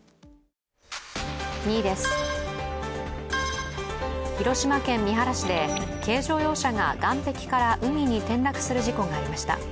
２位です、広島県三原市で軽乗用車が岸壁から海に転落する事故がありました。